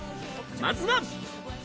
まずは。